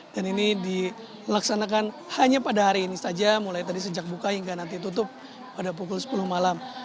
dan ini dilaksanakan hanya pada hari ini saja mulai tadi sejak buka hingga nanti tutup pada pukul sepuluh malam